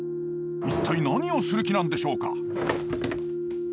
一体何をする気なんでしょうか？